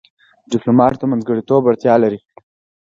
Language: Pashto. ډيپلومات د منځګړیتوب وړتیا لري.